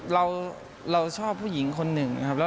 เราชอบผู้หญิงคนหนึ่งนะครับ